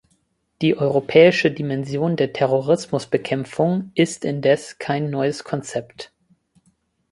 Die europäische Dimension der Terrorismusbekämpfung ist indes kein neues Konzept.